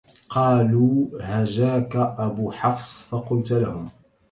قالوا هجاك أبو حفص فقلت لهم